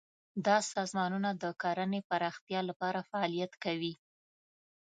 دا سازمانونه د کرنې پراختیا لپاره فعالیت کوي.